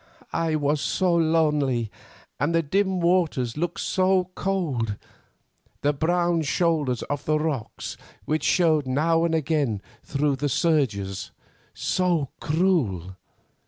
I was so lonely, and the dim waters looked so cold; the brown shoulders of the rocks which showed now and again through the surges, so cruel.